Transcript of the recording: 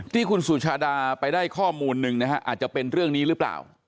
ที่คุณสุชาดาไปได้ข้อมูลหนึ่งนะฮะอาจจะเป็นเรื่องนี้หรือเปล่า